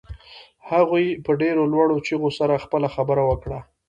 هغې په ډېرو لوړو چيغو سره خپله خبره وکړه.